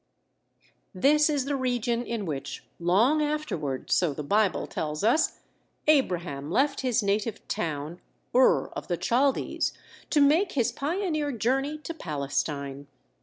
This is the region in which long afterward—so the Bible tells us—Abraham left his native town, Ur of the Chaldees, to make his pioneer journey to Palestine.